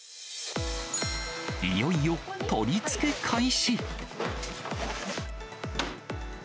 いよいよ取り付け開始。